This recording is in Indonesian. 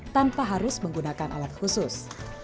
tanpa harus menggunakan alat khusus